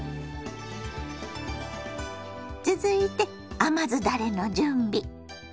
続いて甘酢だれの準備。